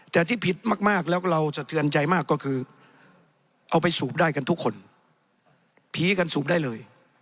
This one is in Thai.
แต่ที่ผิดมากแล้วเราสะเทือนใจมากก็คือเอาไปสูบได้กันทุกคนผีกันสูบได้เลย